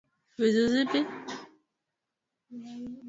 wananchi wamejiandaa kufanya chochote kinachohitajika ili kurejesha utu wao